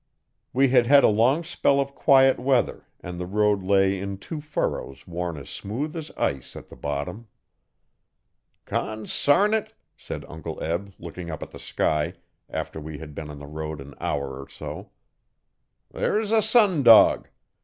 We had had a long spell of quiet weather and the road lay in two furrows worn as smooth as ice at the bottom. 'Consarn it!' said Uncle Eb looking up at the sky, after we had been on the road an hour or so. 'There's a sun dog.